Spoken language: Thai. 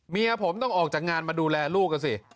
เมียผมต้องออกจากงานมาดูแลลูกอ่ะสิ